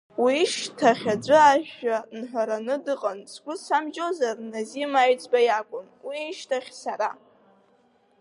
Уи ишьҭахь аӡәы ажәа иҳәараны дыҟан, сгәы самжьозар Назим Аҩӡба иакәын, уи ишьҭахь сара.